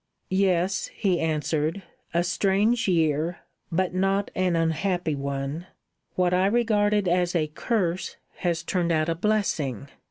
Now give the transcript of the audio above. "Yes," he answered. "A strange year, but not an unhappy one. What I regarded as a curse has turned out a blessing.